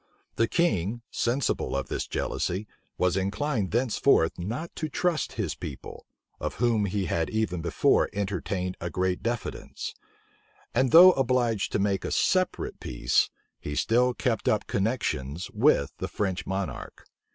The king, sensible of this jealousy, was inclined thenceforth not to trust his people, of whom he had even before entertained a great diffidence; and though obliged to make a separate peace, he still kept up connections with the French monarch.